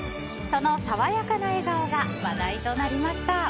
その爽やかな笑顔が話題となりました。